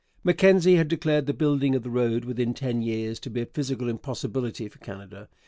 Mackenzie had declared the building of the road within ten years to be a physical impossibility for Canada.